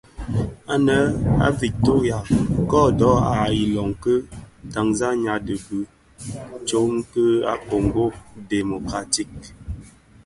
Anë a Victoria kodo a iloň ki Tanzania dhi bi tsog ki a Kongo Democratique.